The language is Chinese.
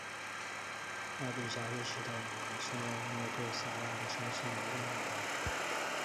艾碧嘉意识到女王现在因为对莎拉的伤心而厌恶她。